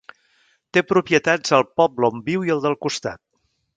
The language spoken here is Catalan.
Té propietats al poble on viu i al del costat.